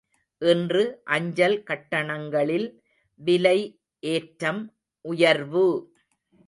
இன்று அஞ்சல் கட்டணங்களில் விலை ஏற்றம் உயர்வு!